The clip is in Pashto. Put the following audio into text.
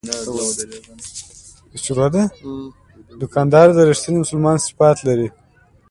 دوکاندار د رښتیني مسلمان صفات لري.